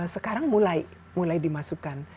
sekarang mulai dimasukkan